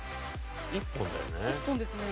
１本だよね？